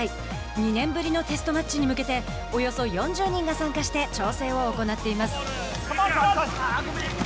２年ぶりのテストマッチに向けておよそ４０人が参加して調整を行っています。